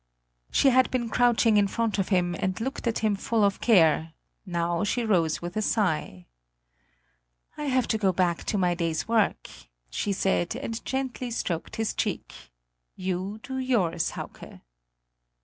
She had been crouching in front of him and looking at him full of care; now she rose with a sigh. "I have to go back to my day's work," she said, and gently stroked his cheek; "you do yours, Hauke."